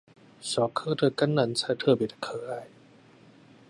小顆的甘藍菜特別的可愛